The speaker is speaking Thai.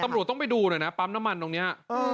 ตำรวจต้องไปดูหน่อยนะปั๊มน้ำมันตรงนี้